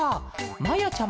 まやちゃま